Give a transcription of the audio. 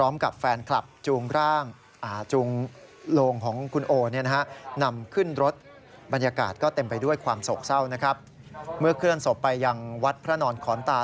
เมื่อเคลื่อนศพไปยังวัดพระนอนขอนตา